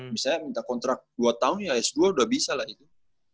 misalnya minta kontrak dua tahun ya s dua sudah bisa lah itu